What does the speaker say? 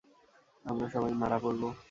আমরা সবাই মারা পড়ব!